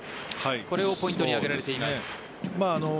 これをポイントに挙げられています。